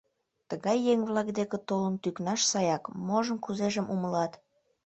Тыгай еҥ-влак деке толын тӱкнаш саяк: можым-кузежым умылат.